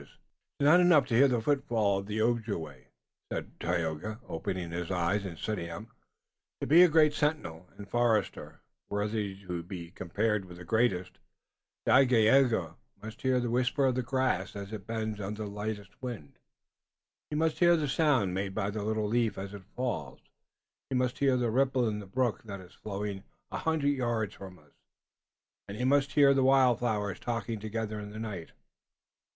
"It is not enough to hear the footfall of the Ojibway," said Tayoga, opening his eyes and sitting up. "To be a great sentinel and forester worthy to be compared with the greatest, Dagaeoga must hear the whisper of the grass as it bends under the lightest wind, he must hear the sound made by the little leaf as it falls, he must hear the ripple in the brook that is flowing a hundred yards from us, and he must hear the wild flowers talking together in the night.